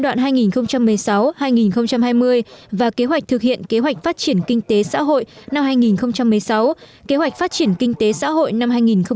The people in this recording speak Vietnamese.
kế hoạch tái cơ cấu nền kinh tế giai đoạn hai nghìn một mươi sáu hai nghìn hai mươi và kế hoạch thực hiện kế hoạch phát triển kinh tế xã hội năm hai nghìn một mươi sáu kế hoạch phát triển kinh tế xã hội năm hai nghìn một mươi bảy